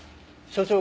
所長！